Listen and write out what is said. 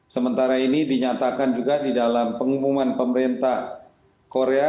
sementara ini dinyatakan juga di dalam pengumuman pemerintah korea